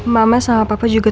mama sama papa juga